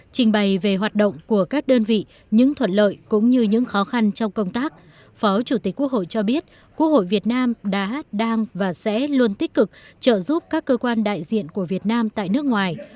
trình bày về hoạt động của các đơn vị những thuận lợi cũng như những khó khăn trong công tác phó chủ tịch quốc hội cho biết quốc hội việt nam đã đang và sẽ luôn tích cực trợ giúp các cơ quan đại diện của việt nam tại nước ngoài